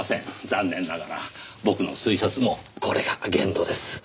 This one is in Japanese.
残念ながら僕の推察もこれが限度です。